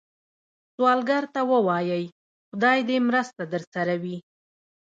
سوالګر ته ووايئ “خدای دې مرسته درسره وي”